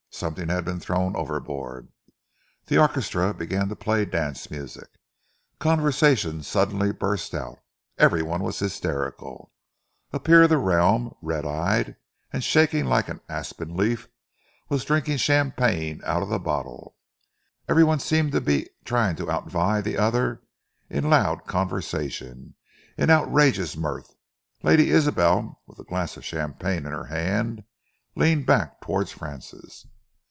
Something had been thrown overboard. The orchestra began to play dance music. Conversation suddenly burst out. Every one was hysterical. A Peer of the Realm, red eyed and shaking like an aspen leaf, was drinking champagne out of the bottle. Every one seemed to be trying to outvie the other in loud conversation, in outrageous mirth. Lady Isabel, with a glass of champagne in her hand, leaned back towards Francis.